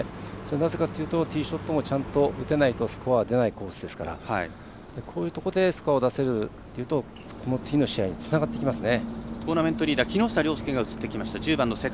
なぜかというとティーショットもちゃんと打てないとスコアが出ないコースですからこういうところでスコアを出せるというと次の試合につながってきますね。